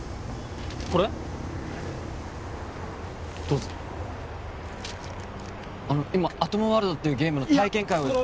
どうぞあの今アトムワールドっていうゲームの体験会いや